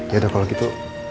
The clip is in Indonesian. yaudah kalau gitu